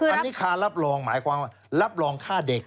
อันนี้ค่ารับรองหมายความว่ารับรองฆ่าเด็ก